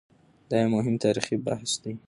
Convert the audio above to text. دا یو مهم تاریخي بحث دی.